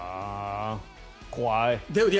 怖い。